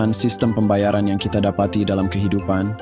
dengan sistem pembayaran yang kita dapati dalam kehidupan